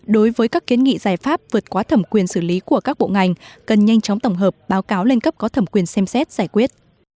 đối với các kiến nghị giải pháp vượt qua thẩm quyền xử lý của các bộ ngành cần nhanh chóng tổng hợp báo cáo lên cấp có thẩm quyền xem xét giải quyết